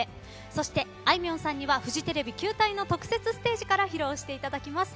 そして、あいみょんさんにはフジテレビ球体の特設ステージから披露していただきます。